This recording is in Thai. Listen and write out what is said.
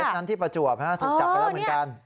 นั้นที่ประจวบถูกจับไปแล้วเหมือนกัน